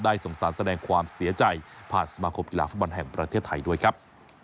สงสารแสดงความเสียใจผ่านสมาคมกีฬาฟุตบอลแห่งประเทศไทยด้วยครับ